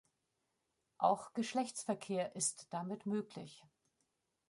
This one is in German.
Auch Geschlechtsverkehr ist damit möglich.